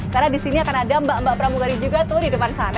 karena di sini akan ada mbak mbak pramugari juga tuh di dalam